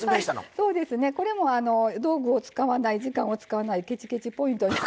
そうですねこれも道具を使わない時間を使わないケチケチ・ポイント。